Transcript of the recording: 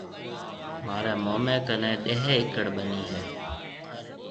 مهاريَ موميَ ڪنَي ڏيه ايڪڙ ٻنِي هيَ۔